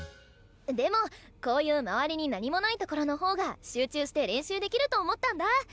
でもこういう周りに何もないところの方が集中して練習できると思ったんだ。